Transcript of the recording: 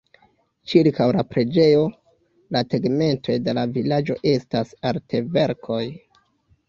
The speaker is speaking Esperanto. Ĉirkaŭ la preĝejo, la tegmentoj de la vilaĝo estas artverkoj.